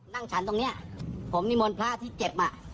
นั่งฉันตรงเนี่ยผมมีมนต์พระที่เจ็บมา